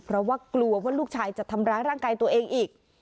เพราะว่ากลัวว่าลูกชายจะทำร้ายร่างกายตัวเองอีก